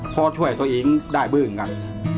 เพราะช่วยตัวเองได้เบื้องครับ